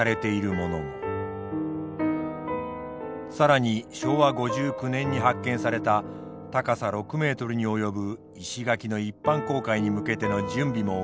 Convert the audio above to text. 更に昭和５９年に発見された高さ６ｍに及ぶ石垣の一般公開に向けての準備も行われています。